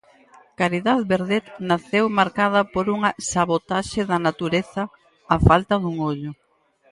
Caridad Verdet naceu marcada por unha "sabotaxe da natureza", a falta dun ollo.